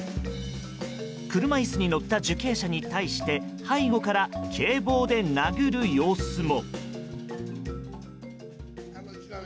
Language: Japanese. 車椅子に乗った受刑者に対して背後から警棒で殴る様子も。